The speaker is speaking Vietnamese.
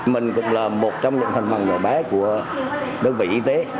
mình cũng là một trong những thành phần nhỏ bé của đơn vị y tế